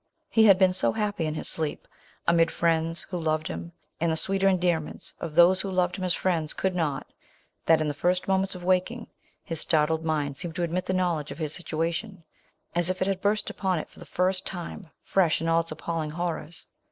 He had been so happy in his sleep, amid friends who loved him, and the sweeter endearments of those who loved him as friends could not, that in the first moments of waking, hia startled mind seemed to admit the knowledge of his situation, as if it had burst upon it for the first time, fresh in all its appalling horrors.